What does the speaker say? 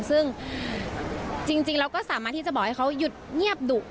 ซึ่งจริงเราก็สามารถที่จะบอกให้เขาหยุดเงียบดุ